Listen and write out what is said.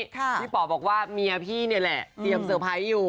พี่ป๋อบอกว่าเมียพี่นี่แหละเตรียมเตอร์ไพรส์อยู่